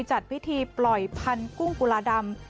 จัดพิธีปล่อยพันธุ์กุ้งกุลาดำ